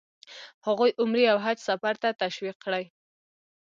هغوی عمرې او حج سفر ته تشویق کړي.